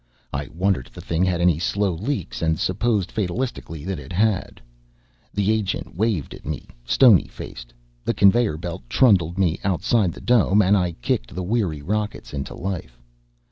I wondered if the thing had any slow leaks and supposed fatalistically that it had. The agent waved at me, stony faced, the conveyor belt trundled me outside the dome, and I kicked the weary rocket into life.